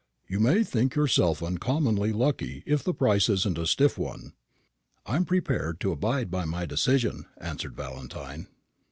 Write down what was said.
You may think yourself uncommonly lucky if the price isn't a stiff one." "I am prepared to abide by my decision," answered Valentine.